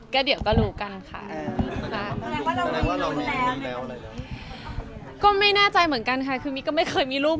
มีคะเห็นเพื่อนบอกว่าเตรียมให้ตรวจทานแล้ว